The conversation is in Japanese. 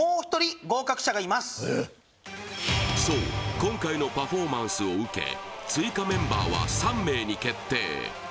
今回のパフォーマンスを受け追加メンバーは３名に決定